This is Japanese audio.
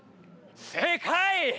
正解！